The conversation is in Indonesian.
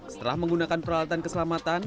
setelah menggunakan peralatan keselamatan